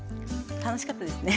楽しかったですね。